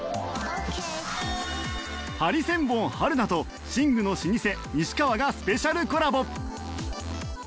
ハリセンボン春菜と寝具の老舗西川がスペシャルコラボ